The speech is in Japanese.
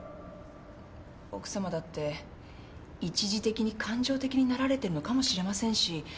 奥さまだって一時的に感情的になられてるのかもしれませんし。